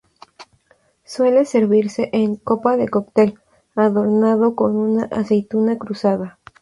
Suele servirse en copa de cóctel, adornado con una aceituna cruzada.